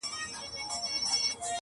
هغه له میني جوړي پرندې به واپس راسي،،